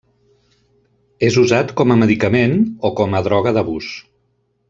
És usat com a medicament o com a droga d'abús.